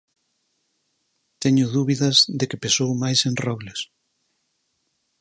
Teño dúbidas de que pesou máis en Robles.